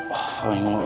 oh ya allah